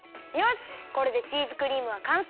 これでチーズクリームはかんせい！